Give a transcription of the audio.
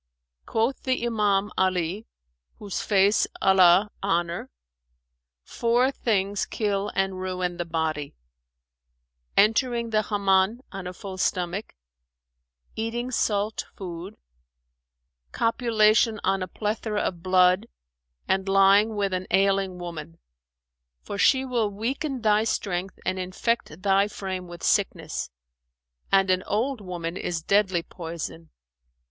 Quoth the Iman Ali[FN#409] (whose face Allah honour!), 'Four things kill and ruin the body: entering the Hammam on a full stomach; eating salt food; copulation on a plethora of blood and lying with an ailing woman; for she will weaken thy strength and infect thy frame with sickness; and an old woman is deadly poison.'